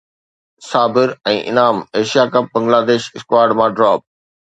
Sabir ۽ Inam Asia Cup Bangladesh squad مان drop